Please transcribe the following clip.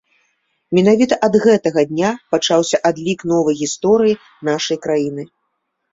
Менавіта ад гэтага дня пачаўся адлік новай гісторыі нашай краіны.